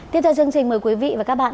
tiếp theo chương trình mời quý vị và các bạn